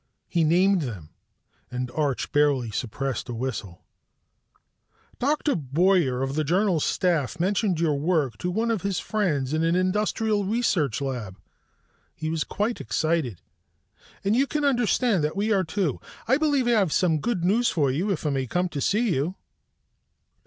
He named them, and Arch barely suppressed a whistle. "Dr. Bowyer of the Journal staff mentioned your work to one of his friends in an industrial research lab. He was quite excited, and you can understand that we are too. I believe I have some good news for you, if I may come to see you."